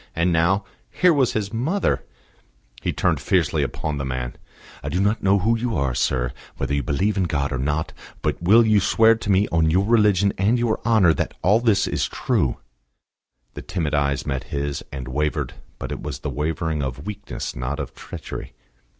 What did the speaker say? And now, here was his mother He turned fiercely upon the man. "I do not know what you are, sir whether you believe in God or not; but will you swear to me on your religion and your honour that all this is true?" The timid eyes met his, and wavered; but it was the wavering of weakness, not of treachery.